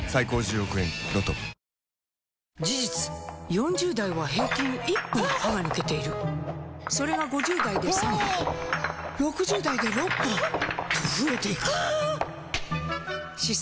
４０代は平均１本歯が抜けているそれが５０代で３本６０代で６本と増えていく歯槽